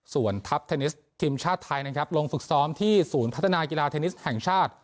ส่วนทัพเทนนิสทีมชาติไทยนะครับลงฝึกซ้อมที่ศูนย์พัฒนากีฬาเทนนิสแห่งชาติ